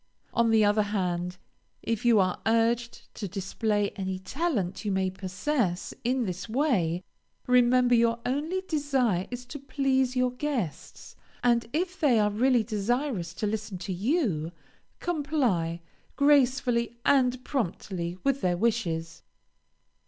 On the other hand, if you are urged to display any talent you may possess in this way, remember your only desire is to please your guests, and if they are really desirous to listen to you, comply, gracefully and promptly, with their wishes.